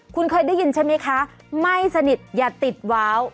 คุณเคยได้ยินใช่ไหมคะไม่สนิทอย่าติดว้าว